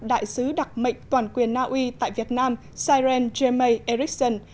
đại sứ đặc mệnh toàn quyền naui tại việt nam siren jemay ericsson